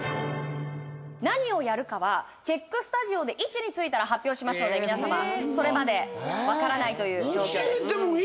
何をやるかはチェックスタジオで位置についたら発表しますので皆様それまでわからないという状況です